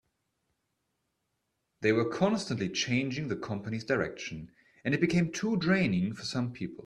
They were constantly changing the company's direction, and it became too draining for some people.